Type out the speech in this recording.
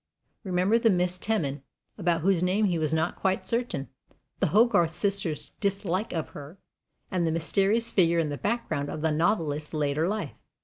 Remember the Miss "Teman," about whose name he was not quite certain; the Hogarth sisters' dislike of her; and the mysterious figure in the background of the novelist's later life.